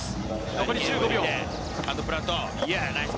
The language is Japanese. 残り１５秒です。